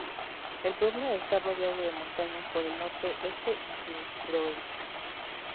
El pueblo está rodeado de montañas, por el norte, este y suroeste.